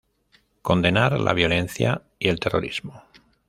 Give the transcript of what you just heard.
Condenar la violencia y el terrorismo.